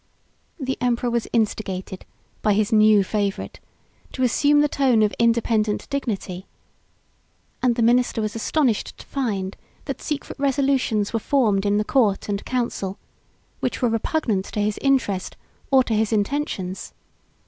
The emperor was instigated, by his new favorite, to assume the tone of independent dignity; and the minister was astonished to find, that secret resolutions were formed in the court and council, which were repugnant to his interest, or to his intentions.